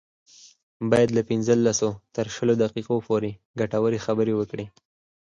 بايد له پنځلسو تر شلو دقيقو ګټورې خبرې وکړي.